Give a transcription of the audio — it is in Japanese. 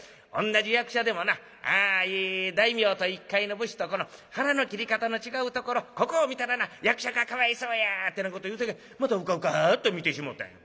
同じ役者でもな大名と一介の武士とこの腹の切り方の違うところここを見たらな役者がかわいそうや』ってなこと言うさかいまたうかうかっと見てしもたんや。